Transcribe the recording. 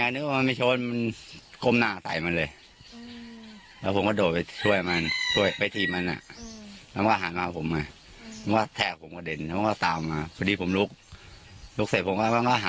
ก็อยู่ไกลอ่ะนะสักนิดนึงมีแม่ก็บอกผมถามให้แม่ก็บอกว่า